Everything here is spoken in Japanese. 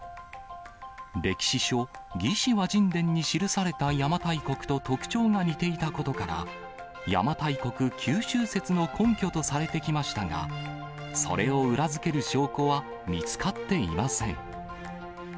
歴史書、魏志倭人伝に記された邪馬台国と特徴が似ていたことから、邪馬台国九州説の根拠とされてきましたが、それを裏付ける証拠は見つかっていません。